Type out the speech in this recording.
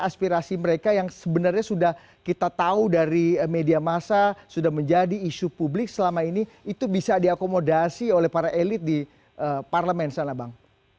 aspirasi mereka yang sebenarnya sudah kita tahu dari media massa sudah menjadi isu publik selama ini itu bisa diakomodasi oleh para elit di parlemen sana bang